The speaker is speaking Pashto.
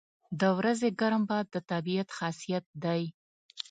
• د ورځې ګرم باد د طبیعت خاصیت دی.